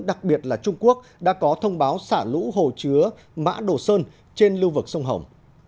đặc biệt là trung quốc đã có thông báo xả lũ hồ chứa mã đồ sơn trên lưu vực sông hồng